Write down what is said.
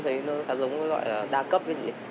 thấy nó khá giống cái loại là đa cấp cái gì